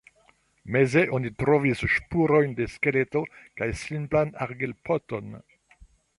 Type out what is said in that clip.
Meze oni trovis spurojn de skeleto kaj simplan argilpoton.